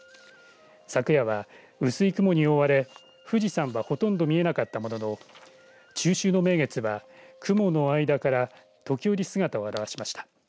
昨夜は薄い雲に覆われ富士山は、ほとんど見えなかったものの中秋の名月は雲の間から時折、姿を現しました。